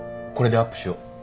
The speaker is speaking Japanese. これでアップしよう。